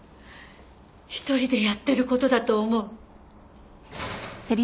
１人でやってる事だと思う？